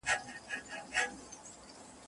جهاني قلم دي مات سه چي د ویر افسانې لیکې